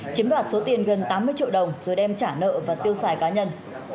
chiếm đoạt số tiền gần tám mươi triệu đồng rồi đem trả nợ và tiêu xài cá nhân